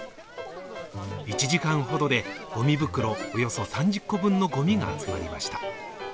１時間ほどでごみ袋およそ３０個分のごみが集まりました。